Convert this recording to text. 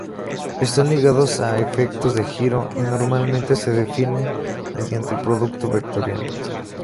Están ligados a efectos de giro, y normalmente se definen mediante el producto vectorial.